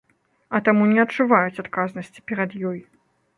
А таму не адчуваюць адказнасці перад ёй.